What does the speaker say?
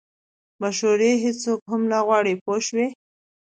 مشورې هیڅوک هم نه غواړي پوه شوې!.